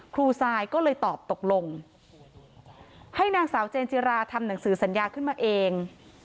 ทรายก็เลยตอบตกลงให้นางสาวเจนจิราทำหนังสือสัญญาขึ้นมาเอง